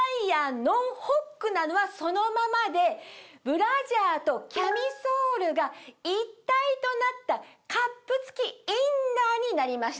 なのはそのままでブラジャーとキャミソールが一体となったカップ付きインナーになりました。